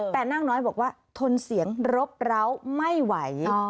แต่นางน้อยบอกว่าทนเสียงรบร้าวไม่ไหว